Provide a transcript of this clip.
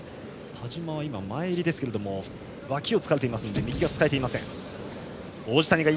田嶋は前襟ですがわきをつかまれていますので右が使えていません。